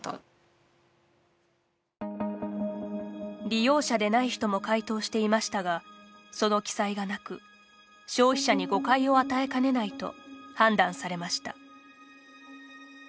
利用者でない人も回答していましたがその記載がなく消費者に誤解を与えかねないと判断されました。